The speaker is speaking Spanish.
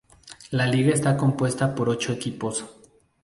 La liga está compuesta por ocho equipos.